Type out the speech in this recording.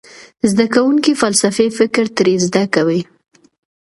زده کوونکي فلسفي فکر ترې زده کوي.